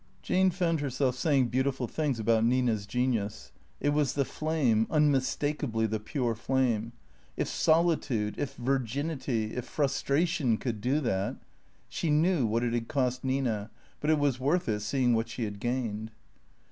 Jane found herself saying beautiful things about Nina's genius. It was the flame, unmistakably the pure flame. If soli tude, if virginity, if frustration could do that She knew what it had cost Nina, but it was worth it, seeing what she had gained.